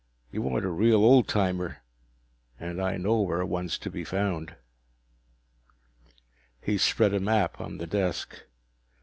You want a real old timer, and I know where one's to be found." He spread a map on the desk.